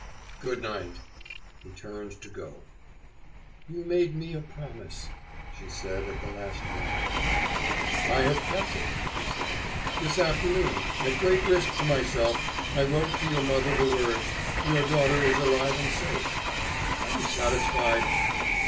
"Good night." He turned to go. "You made me a promise," she said at the last moment. "I have kept it," he said. "This afternoon, at great risk to myself, I wrote to your mother the words: 'Your daughter is alive and safe.' Are you satisfied?"